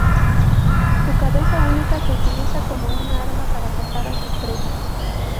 Su cabeza única se utiliza como una arma para cazar a sus presas.